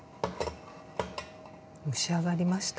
蒸し上がりました。